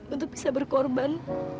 untuk bisa berkorban